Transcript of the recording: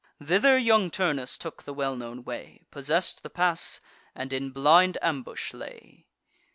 Thither young Turnus took the well known way, Possess'd the pass, and in blind ambush lay.